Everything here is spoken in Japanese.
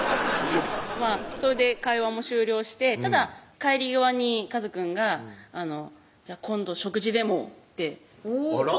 それで会話も終了してただ帰り際にかずくんが「今度食事でも」ってあら？